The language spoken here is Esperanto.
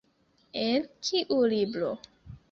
El kiu libro?